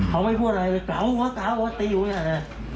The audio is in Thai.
เขาไม่พูดอะไรหลายแตะอยู่กัน